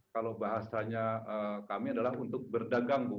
kalau bahasanya kami adalah untuk berdagang bu